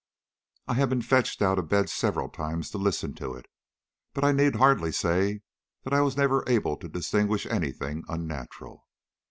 I have been fetched out of bed several times to listen to it, but I need hardly say that I was never able to distinguish anything unnatural.